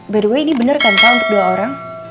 by the way ini benar kan pak untuk dua orang